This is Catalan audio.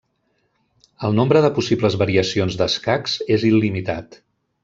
El nombre de possibles variacions d'escacs és il·limitat.